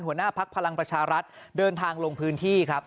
หัวหน้าพักพลังประชารัฐเดินทางลงพื้นที่ครับ